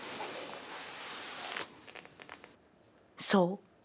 そう。